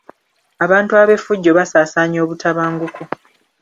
Abantu ab'effujjo basaasaanya obutabanguko.